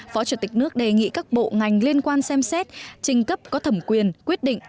phó chủ tịch nước đề nghị các bộ ngành liên quan xem xét trình cấp có thẩm quyền quyết định